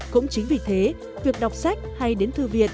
cũng chính vì thế việc đọc sách hay đến thư viện